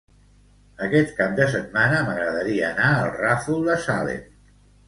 Aquest cap de setmana m'agradaria anar al Ràfol de Salem.